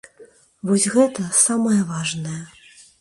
Вось гэта самае важнае.